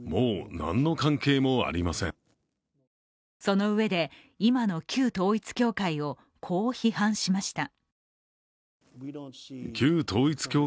そのうえで、今の旧統一教会を、こう批判しました。